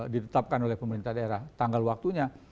ditetapkan oleh pemerintah daerah tanggal waktunya